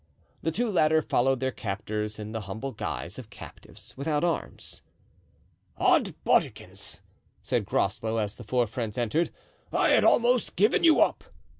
The two latter followed their captors in the humble guise of captives, without arms. "Od's bodikins," said Groslow, as the four friends entered, "I had almost given you up."